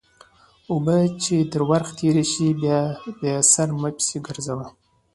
اوبه چې تر ورخ تېرې شي؛ بیا سر مه پسې ګرځوه.